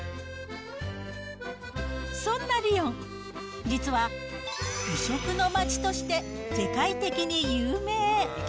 そんなリヨン、実は、美食の街として世界的に有名。